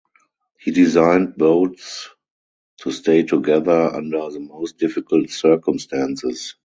He designed boats to stay together under the most difficult circumstances.